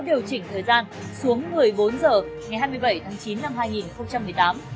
điều chỉnh thời gian xuống một mươi bốn h ngày hai mươi bảy tháng chín năm hai nghìn một mươi tám